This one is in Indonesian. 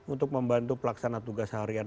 untuk membantu pelaksana tugas harian